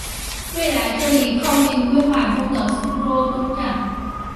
未来这里靠近规划中的苏州东站。